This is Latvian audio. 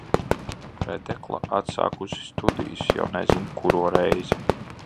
Vedekla atsākusi studijas, jau nezin kuro reizi.